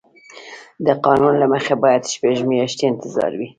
د قانون له مخې باید شپږ میاشتې انتظار وي.